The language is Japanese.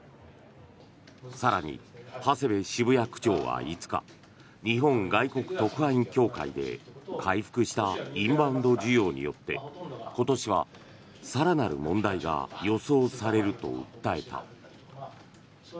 更に、長谷部渋谷区長は５日日本外国特派員協会で回復したインバウンド需要によって今年は更なる問題が予想されると訴えた。